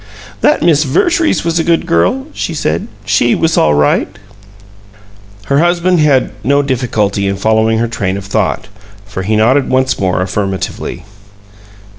"That Miss Vertrees was a good girl," she said. "SHE was all right." Her husband evidently had no difficulty in following her train of thought, for he nodded once more, affirmatively.